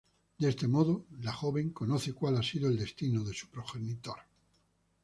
De ese modo, la joven conoce cuál ha sido el destino de su progenitor.